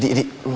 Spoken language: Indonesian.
lihat dulu ya